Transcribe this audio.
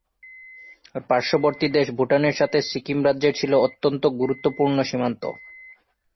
আর পার্শ্ববর্তী দেশ ভুটানের সাথে সিকিম রাজ্যের ছিল গুরুত্বপূর্ণ সীমান্ত।